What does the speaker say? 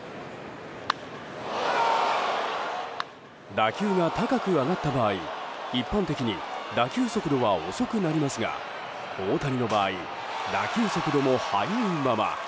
打球が高く上がった場合一般的に打球速度は遅くなりますが大谷の場合打球速度も速いまま。